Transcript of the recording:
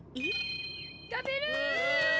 食べる！